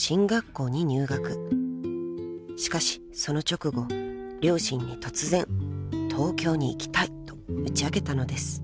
［しかしその直後両親に突然「東京に行きたい」と打ち明けたのです］